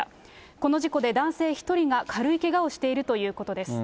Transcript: この事故で男性１人が軽いけがをしているということです。